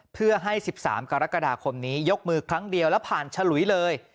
เพื่อให้๑๓กรกฎาคมนี้ยกมือครั้งเดียวแล้วผ่านฉลุยเลย